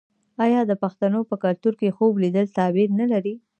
آیا د پښتنو په کلتور کې خوب لیدل تعبیر نلري؟